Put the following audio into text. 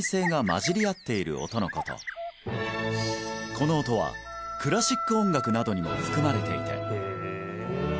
この音はクラシック音楽などにも含まれていて